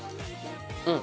うん。